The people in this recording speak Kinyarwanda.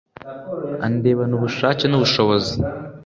andebana ubushake nubushobozi